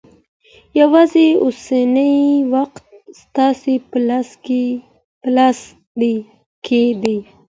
یوازې اوسنی وخت ستاسې په لاس کې دی.